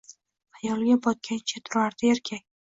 Xayolga botgancha turardi erkak